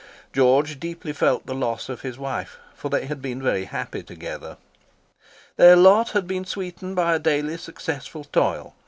George deeply felt the loss of his wife, for they had been very happy together. Their lot had been sweetened by daily successful toil.